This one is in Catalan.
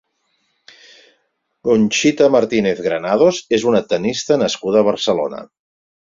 Conchita Martínez Granados és una tennista nascuda a Barcelona.